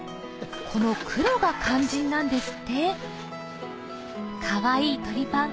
この黒が肝心なんですってかわいい鳥ぱん